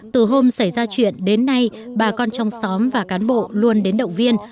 từ hôm xảy ra chuyện đến nay bà con trong xóm và cán bộ luôn đến động viên